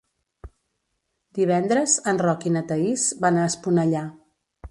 Divendres en Roc i na Thaís van a Esponellà.